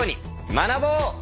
学ぼう！